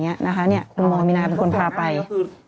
อย่างนี้นะคะคุณโมมีนาเป็นคนสามารถพาไป